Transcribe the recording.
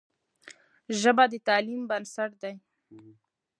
ژبه د تعلیم بنسټ دی.